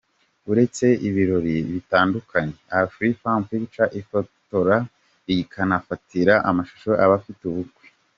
Uretse ibirori bitandukanye, Afrifame Pictures ifotora ikanafatira amashusho abafite ubukwe.